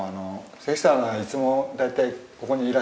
関さんがいつも大体ここにいらっしゃるんで。